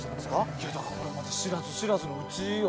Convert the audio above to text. いやだからこれまた知らず知らずのうちよね。